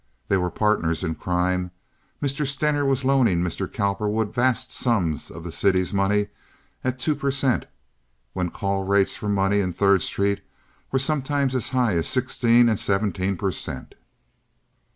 They were partners in crime. Mr. Stener was loaning Mr. Cowperwood vast sums of the city's money at two per cent. when call rates for money in Third Street were sometimes as high as sixteen and seventeen per cent.